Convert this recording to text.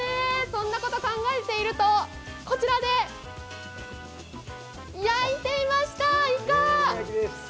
そんなこと考えていると、こちらで焼いていました、イカ！